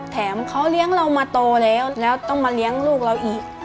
แถมเขาเลี้ยงเรามาโตแล้วแล้วต้องมาเลี้ยงลูกเราอีก